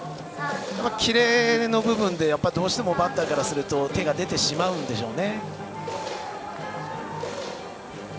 キレの部分でどうしてもバッターからすると手が出てしまうでしょうね。